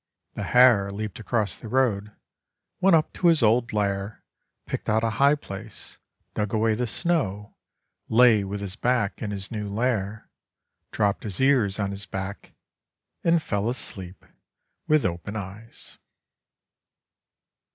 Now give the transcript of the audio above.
The hare leaped across the road, went up to his old lair, picked out a high place, dug away the snow, lay with his back in his new lair, dropped his ears on his back, and fell asleep with open eyes.